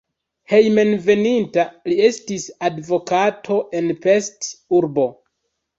Hejmenveninta li estis advokato en Pest (urbo).